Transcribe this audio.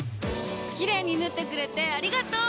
きれいに縫ってくれてありがとう！